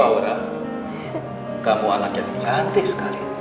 halo aura kamu anak yang cantik sekali